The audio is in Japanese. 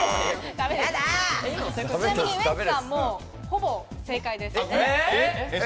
ちなみにウエンツさん、ほぼ正解です。